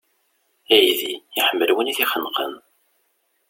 Aydi, iḥemmel win i t-ixenqen.